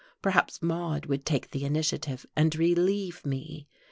Perhaps Maude would take the initiative and relieve me....